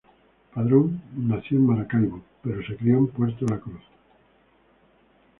Padrón nació en Maracaibo pero se crio en Puerto La Cruz.